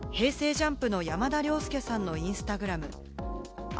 ＪＵＭＰの山田涼介さんのインスタグラム。